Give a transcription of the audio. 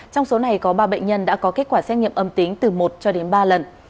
trong số này có ba bệnh nhân đã có kết quả xét nghiệm âm tính từ một cho đến ba lần